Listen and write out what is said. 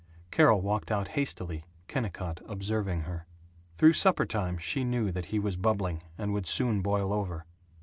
Carol walked out hastily, Kennicott observing her. Through supper time she knew that he was bubbling and would soon boil over.